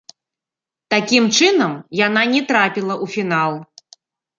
Такім чынам, яна не трапіла ў фінал.